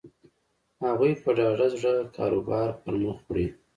هغوی په ډاډه زړه کاروبار پر مخ وړي.